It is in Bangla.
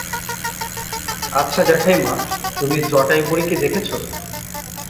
আচ্ছা জ্যাঠাইমা, তুমি জটাইবুড়িকে দেখেছ?